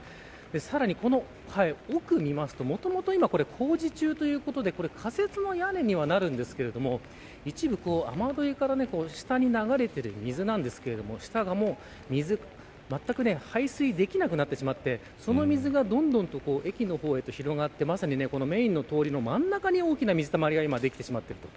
さらに、この奥を見るともともと工事中ということで仮設の屋根にはなるんですが一部、雨どいから下に流れている水ですがまったく排水できなくなってその水がどんどん駅の方へと広がってメーンの通りの真ん中に大きな水たまりができています。